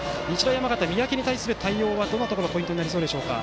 山形、三宅に対する対応はどのようなところがポイントになりそうでしょうか？